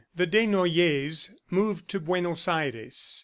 The Desnoyers moved to Buenos Aires.